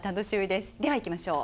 では行きましょう。